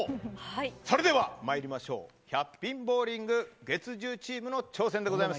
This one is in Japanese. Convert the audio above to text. それではまいりましょう１００ピンボウリング月１０チームの挑戦です。